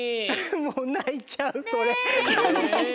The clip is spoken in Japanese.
もうないちゃうこれ。